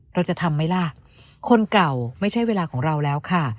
เราจะทำไหมล่ะคนเก่าไม่ใช่เวลาของเราแล้วค่ะ